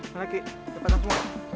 naki lepaskan aku